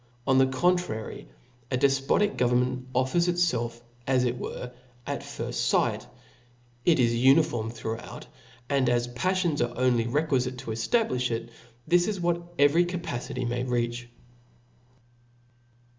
On the contrary, a defpotic government offers itfelf,.as it were, at firft fight ; it is uniform throughout ; and as pafIion$ only are requifite to eftabliih it, this is what every capacity may reach.